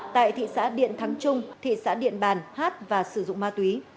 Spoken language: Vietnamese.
tại thị xã điện thắng trung thị xã điện bàn hát và sử dụng ma túy